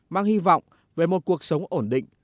mang hy vọng về một cuộc sống ổn định